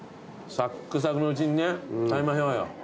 さっくさくのうちにね食べましょうよ。